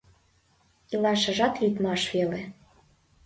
Илашыжат лӱдмаш веле.